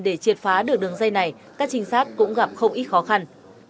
được đường dây này các trinh sát cũng gặp không ít khó khăn